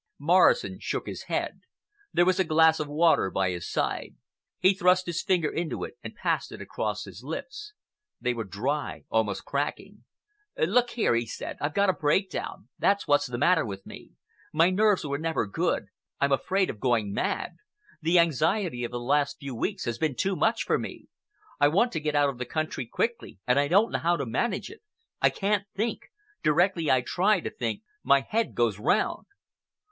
Morrison shook his head. There was a glass of water by his side. He thrust his finger into it and passed it across his lips. They were dry, almost cracking. "Look here," he said, "I've got a breakdown—that's what's the matter with me. My nerves were never good. I'm afraid of going mad. The anxiety of the last few weeks has been too much for me. I want to get out of the country quickly, and I don't know how to manage it. I can't think. Directly I try to think my head goes round."